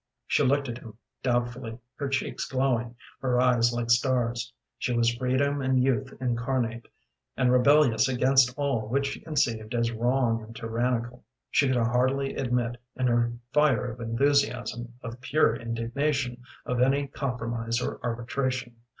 She looked at him doubtfully, her cheeks glowing, her eyes like stars. She was freedom and youth incarnate, and rebellious against all which she conceived as wrong and tyrannical. She could hardly admit, in her fire of enthusiasm, of pure indignation, of any compromise or arbitration.